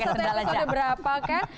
buang setelah itu sudah berapa kan